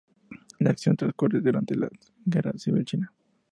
La acción transcurre durante la Guerra Civil China.